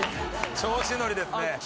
調子乗りですね。